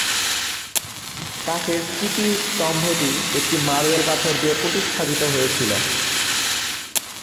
কাঠের স্মৃতিস্তম্ভটি একটি মার্বেল পাথর দিয়ে প্রতিস্থাপিত হয়েছিল।